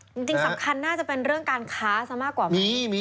จริงสำคัญน่าจะเป็นเรื่องการค้าซะมากกว่าไหม